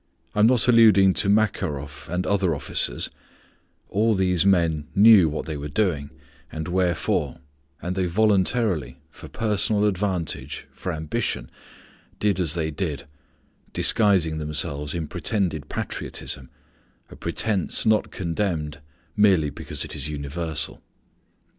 I am not alluding to Makaroff and other officers all these men knew what they were doing, and wherefore, and they voluntarily, for personal advantage, for ambition, did as they did, disguising themselves in pretended patriotism, a pretence not condemned merely because it is universal.